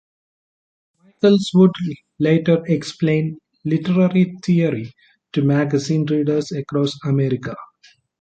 Michaels would later explain literary theory to magazine readers across America.